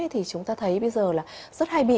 thì chúng ta thấy bây giờ là rất hay bị